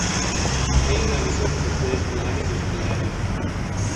Ahí realizó sus estudios primarios y secundarios.